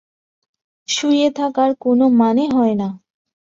শুয়ে থাকার কোনো মানে হয় না।